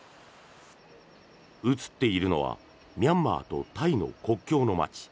映っているのはミャンマーとタイの国境の街